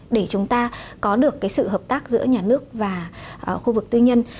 để chúng ta có được cái sự hợp tác giữa nhà nước và khu vực tư nhân